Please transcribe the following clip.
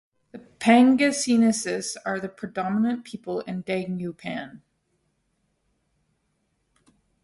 The Pangasinenses are the predominant people in Dagupan.